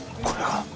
これが。